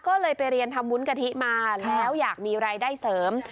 ก็เลยไปเรียนทำวุ้นกะทิมาแล้วอยากมีรายได้เสริม